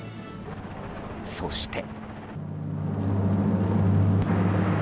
そして。